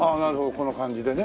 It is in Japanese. この感じでね。